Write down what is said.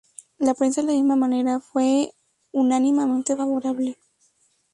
La prensa de la misma manera fue unánimemente favorable.